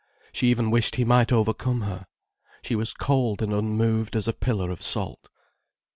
She even wished he might overcome her. She was cold and unmoved as a pillar of salt.